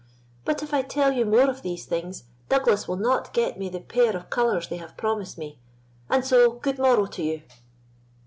But if I tell you more of these things, Douglas will not get me the pair of colours they have promised me, and so good morrow to you."